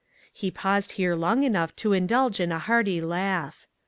" He paused here long enough to indulge in a hearty laugh.